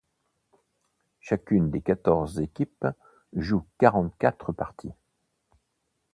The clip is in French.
Chacune des quatorze équipes joue quarante-quatre parties.